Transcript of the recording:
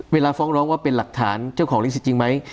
ฟ้องร้องว่าเป็นหลักฐานเจ้าของลิสิตจริงไหม